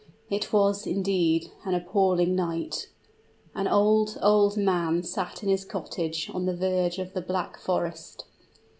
It was, indeed, an appalling night! An old old man sat in his cottage on the verge of the Black Forest.